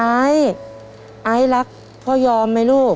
อายอายรักพ่อยอมไหมลูก